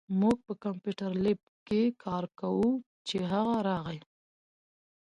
مونږ په کمپیوټر لېب کې کار کوو، چې هغه راغی